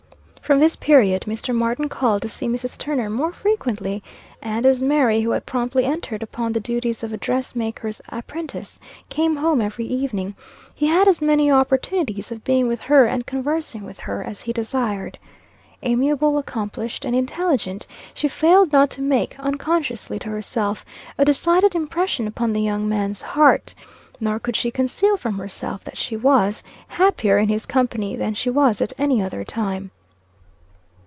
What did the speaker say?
From this period, Mr. Martin called to see Mrs. Turner more frequently, and as Mary, who had promptly entered upon the duties of a dress maker's apprentice, came home every evening, he had as many opportunities of being with her and conversing with her as he desired. Amiable accomplished, and intelligent, she failed not to make, unconsciously to herself, a decided impression upon the young man's heart. Nor could she conceal from herself that she was happier in his company than she was at any other time.